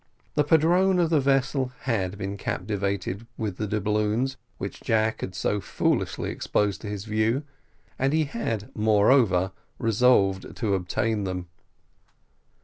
The padrone of the vessel had been captivated with the doubloons which Jack had so foolishly exposed to his view, and he had, moreover, resolved to obtain them.